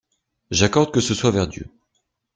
J'accorde que ce soit vers Dieu.